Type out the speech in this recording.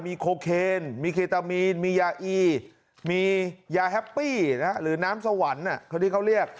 มีโคเคนมีเคตามีนมียาอีมียาแฮปปี้หรือน้ำสวรรค์